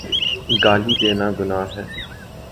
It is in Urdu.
گالی دینا گناہ ہے۔